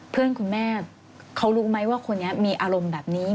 เพื่อนคุณแม่เขารู้ไหมว่าคนนี้มีอารมณ์แบบนี้